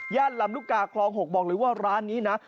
ลำลูกกาคลอง๖บอกเลยว่าร้านนี้นะ